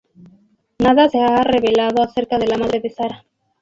Nada se ha revelado acerca de la madre de Sarah.